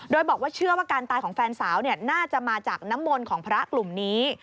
โดยบอกว่าเชื่อว่าการตายของแฟนสาวน่าจะมาจากน้ำมนต์ของพระกลุ่มนี้